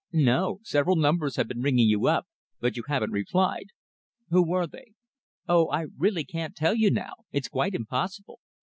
"No. Several numbers have been ringing you up, but you haven't replied." "Who were they?" "Oh, I really can't tell you now. It's quite impossible.